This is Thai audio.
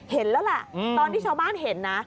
เห็นแล้วแหละตอนที่ชาวบ้านเห็นนะ